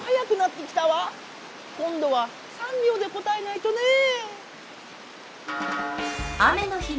今度は３秒で答えないとねえ。